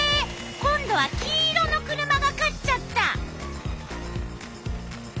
今度は黄色の車が勝っちゃった。